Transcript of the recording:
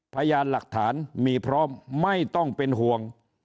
พยานหลักฐานมีพร้อมไม่ต้องเป็นห่วง